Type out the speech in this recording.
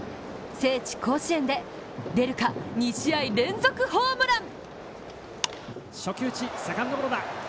聖地・甲子園で出るか、２試合連続ホームラン！